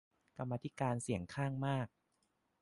กรรมาธิการเสียงข้างมาก